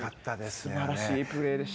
素晴らしいプレーでした。